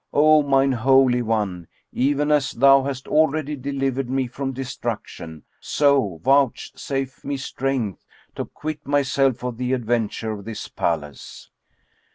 O mine Holy One, even as Thou hast already delivered me from destruction, so vouchsafe me strength to quit myself of the adventure of this palace!"